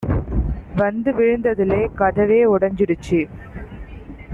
வந்து விழுந்ததுலெ கதவே உடஞ்சிடுச்சு